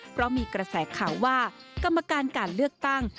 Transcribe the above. เพราะมีกระแสข่าวว่ากรรมการการเลือกตั้ง